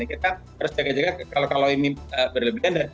kita harus jaga jaga kalau ini berlebihan